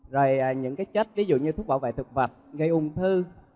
rồi những cái chất ví dụ như thuốc bảo vệ thực vật gây ung thư